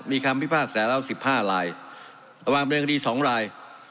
มีคำพิพากษ์แสดงละสิบห้าลายระวังเวลาคดีสองลาย